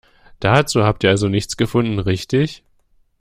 Dazu habt ihr also nichts gefunden, richtig?